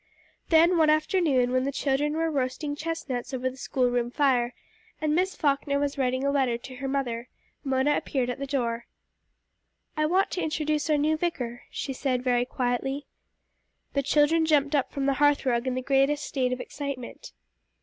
Then one afternoon, when the children were roasting chestnuts over the school room fire, and Miss Falkner was writing a letter to her mother, Mona appeared at the door. "I want to introduce our new vicar," she said very quietly. The children jumped up from the hearth rug in the greatest state of excitement.